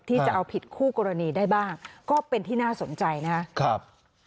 จะเอาผิดคู่กรณีได้บ้างก็เป็นที่น่าสนใจนะครับ